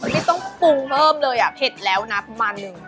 ที่ต้องปรุงเพิ่มเลยอ่ะเผ็ดแล้วนะประมาณหนึ่ง